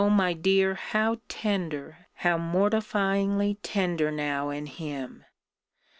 my dear, how tender, how mortifyingly tender now in him!